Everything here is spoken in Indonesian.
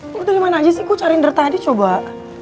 lo dari mana aja sih gue cari derta aja coba